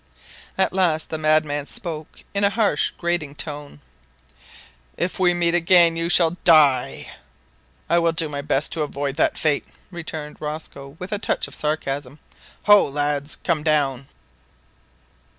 At last the madman spoke, in a harsh, grating tone, "If we meet again, you shall die!" "I will do my best to avoid that fate," returned Rosco, with a touch of sarcasm. "Ho! lads! come down."